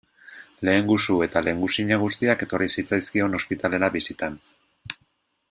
Lehengusu eta lehengusina guztiak etorri zitzaizkion ospitalera bisitan.